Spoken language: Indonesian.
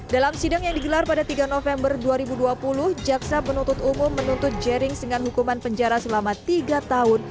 dalam sidang yang digelar pada tiga november dua ribu dua puluh jaksa penuntut umum menuntut jerings dengan hukuman penjara selama tiga tahun